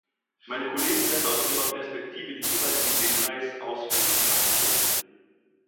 Meine Kollegen werden aus ihrer Perspektive die jeweiligen Details ausführlicher behandeln.